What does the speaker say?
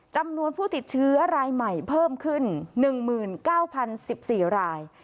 จำนวนผู้ติดเชื้อรายใหม่เพิ่มขึ้น๑๙๐๑๔ราย